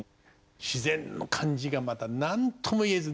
自然の感じがまた何とも言えず。